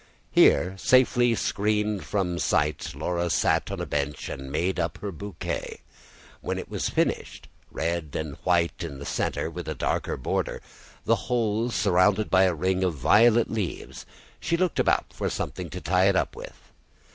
Here, safely screened from sight, Laura sat on a bench and made up her bouquet. When it was finished red and white in the centre with a darker border, the whole surrounded by a ring of violet leaves she looked about for something to tie it up with.